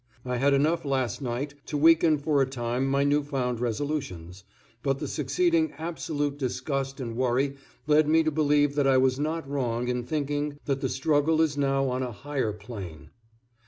I had enough last night to weaken for a time my new found resolutions, but the succeeding absolute disgust and worry lead me to believe that I was not wrong in thinking that the struggle is now on a higher plane.